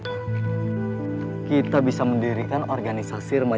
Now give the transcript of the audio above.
aku tidak pernah memilikinya